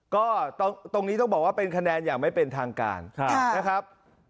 ก็ตรงนี้ต้องบอกว่าเป็นคะแนนอย่างไม่เป็นทางการนะครับ